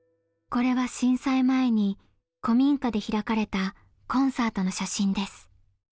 これは震災前に古民家で開かれたコンサートの写真です。